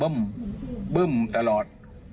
บึ้มบึ้มตลอด